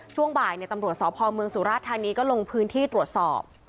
ช่วงบ่ายตำรวจสพเมืองสุราชธานีก็ลงพื้นที่ตรวจสอบ